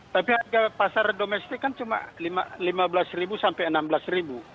tapi harga pasar domestik kan cuma lima belas ribu sampai enam belas ribu